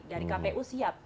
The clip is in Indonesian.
dari kpu siap